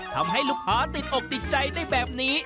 ทำให้ลูกค้าติดอกติดใจได้แบบนี้